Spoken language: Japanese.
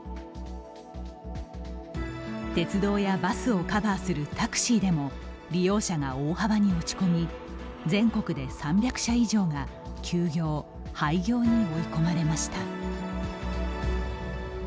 鉄道やバスをカバーするタクシーでも利用者が大幅に落ち込み全国で３００社以上が休業・廃業に追い込まれました。